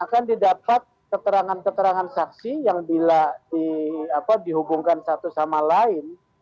akan didapat keterangan keterangan saksi yang bila dihubungkan satu sama lain